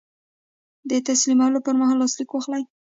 د تسلیمولو پر مهال لاسلیک واخلئ.